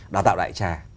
đào tạo đại trà